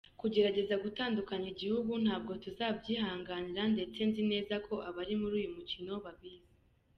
Kugerageza gutandukanya igihugu ntabwo tuzabyihanganira ndetse nzi neza ko abari muri uyu mukino babizi.